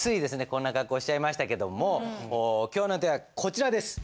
こんな格好しちゃいましたけども今日のテーマはこちらです。